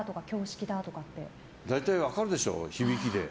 大体分かるでしょ、響きで。